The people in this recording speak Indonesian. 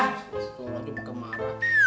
astaga udah mah dia mau kemarah